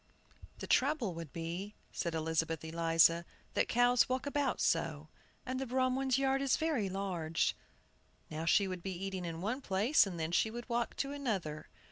"The trouble would be," said Elizabeth Eliza, "that cows walk about so, and the Bromwicks' yard is very large. Now she would be eating in one place, and then she would walk to another.